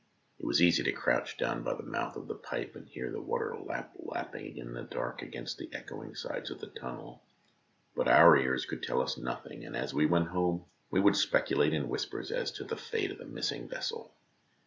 It was easy to crouch down by the mouth of the pipe, and hear the water lap lapping in the dark against the echoing sides of the tunnel, but our ears could tell us nothing, and as we went home we would speculate in whispers as to the fate of the missing vessel.